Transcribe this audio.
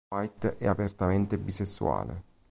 White è apertamente bisessuale.